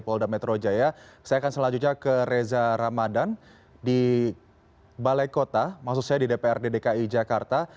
pada saat ini saya akan selanjutnya ke reza ramadhan di balai kota maksud saya di dprd dki jakarta